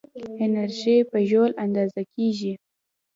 انرژي په جول اندازه کېږي.